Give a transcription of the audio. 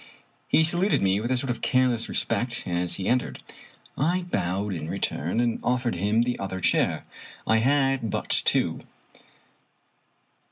He saluted me with a sort of careless respect as he en tered. I bowed in return, and offered him the other chair. I had but two.